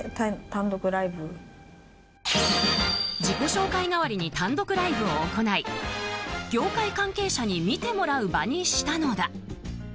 自己紹介代わりに単独ライブを行い業界関係者に見てもらう場にしたのだ。